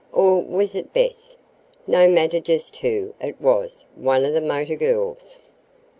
"Or was it Bess? No matter just who, it was one of the motor girls.